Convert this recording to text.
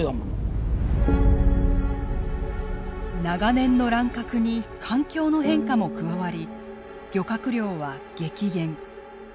長年の乱獲に環境の変化も加わり漁獲量は激減。